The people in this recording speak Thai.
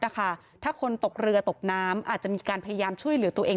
ถ้าคนตกเรือตกน้ำอาจจะมีการพยายามช่วยเหลือตัวเอง